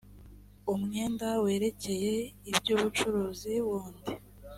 umwenda werekeye iby ubucuruzi wundi